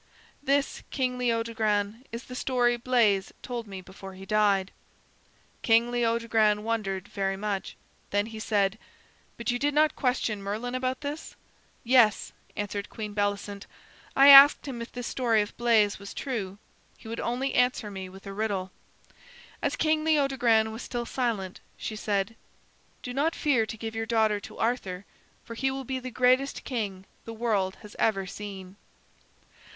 This, King Leodogran, is the story Bleys told me before he died." King Leodogran wondered very much. Then he said: "But did you not question Merlin about this?" "Yes," answered Queen Bellicent. "I asked him if this story of Bleys was true. He would only answer me with a riddle." As King Leodogran was still silent, she said: "Do not fear to give your daughter to Arthur, for he will be the greatest king the world has ever seen."